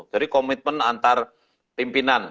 jadi komitmen antar pimpinan